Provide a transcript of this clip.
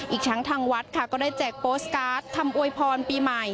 อีกทั้งทางวัดค่ะก็ได้แจกโปสตการ์ดทำอวยพรปีใหม่